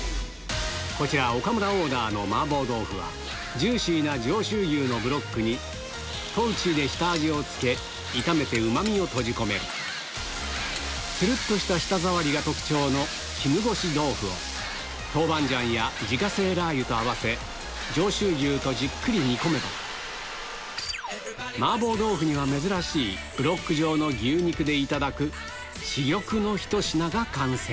こちら岡村オーダーの麻婆豆腐はジューシーな上州牛のブロックに豆鼓で下味を付け炒めてうま味を閉じ込めるつるっとした舌触りが特徴の絹ごし豆腐を豆板醤や自家製ラー油と合わせ上州牛とじっくり煮込めば麻婆豆腐には珍しいブロック状の牛肉でいただく珠玉のひと品が完成